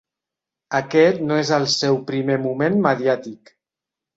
Aquest no és el seu primer moment mediàtic.